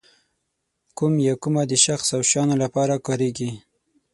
کوم یا کومه د شخص او شیانو لپاره کاریږي.